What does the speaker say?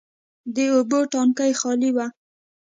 د اوبو ټانکي خالي و.